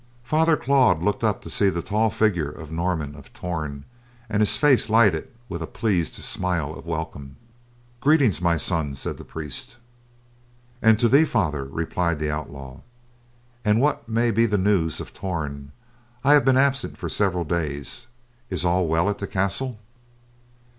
Father Claude looked up to see the tall figure of Norman of Torn, and his face lighted with a pleased smile of welcome. "Greetings, my son," said the priest. "And to thee, Father," replied the outlaw. "And what may be the news of Torn. I have been absent for several days. Is all well at the castle?"